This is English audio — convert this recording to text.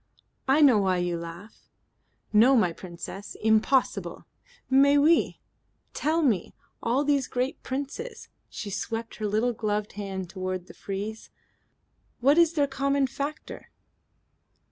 "I know why you laugh." "No, my Princess. Impossible." "Mais oui. Tell me. All these great princes" she swept her little gloved hand toward the frieze. "What is their common factor?"